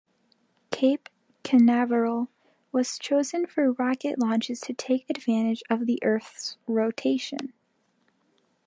Cape Canaveral was chosen for rocket launches to take advantage of the Earth's rotation.